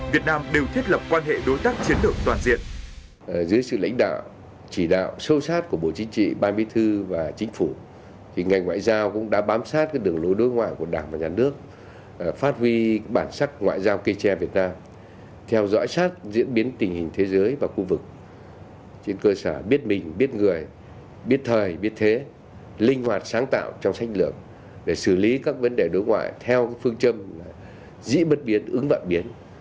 việt nam đều thiết lập quan hệ đối tác chiến lược toàn diện